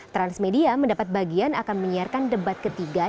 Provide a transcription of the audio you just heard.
transmedia mendapat bagian akan menyiarkan debat ketiga